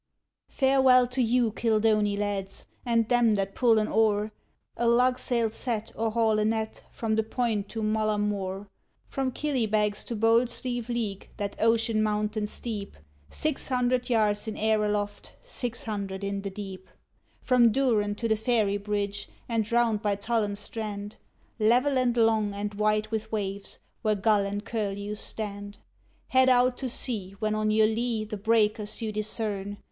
Farewell to you, Kildoney lads, and them that pull an oar, A lug sail set, or haul a net, from the Point to Mullaghmore; From Killybegs to bold Slieve League, that ocean mountain steep, Six hundred yards in air aloft, six hundred in the deep, From Dooran to the Fairy Bridge, and round by Tullen strand, Level and long, and white with waves, where gull and curlew stand; Head out to sea when on your lee the breakers you discern!